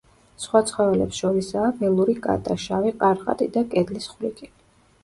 სხვა ცხოველებს შორისაა ველური კატა, შავი ყარყატი და კედლის ხვლიკი.